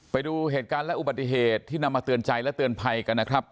ไปดูเหตุการณ์และอุบัติเหตุที่นำมาเตือนใจและเตือนภัยกันนะครับ